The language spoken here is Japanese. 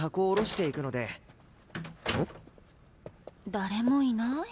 誰もいない？